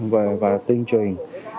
và tuyên truyền